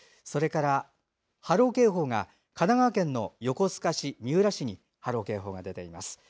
それから、波浪警報が神奈川県の横須賀市、三浦市に出ています。